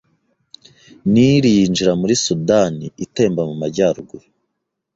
Nili yinjira muri Sudani itemba mumajyaruguru